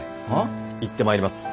行ってまいります。